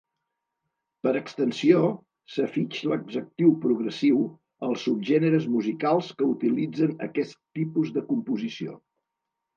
Per extensió s'afig l'adjectiu progressiu als subgèneres musicals que utilitzen aquest tipus de composició.